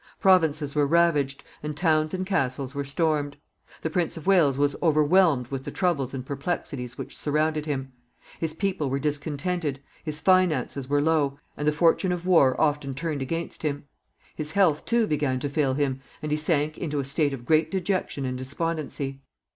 Provinces were ravaged, and towns and castles were stormed. The Prince of Wales was overwhelmed with the troubles and perplexities which surrounded him. His people were discontented, his finances were low, and the fortune of war often turned against him. His health, too, began to fail him, and he sank into a state of great dejection and despondency.